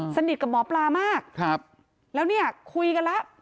สนิทกับหมอปลามากครับแล้วเนี่ยคุยกันแล้ว